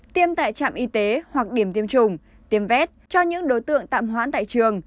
tiêm tại trạm y tế hoặc điểm tiêm chủng tiêm vét cho những đối tượng tạm hoãn tại trường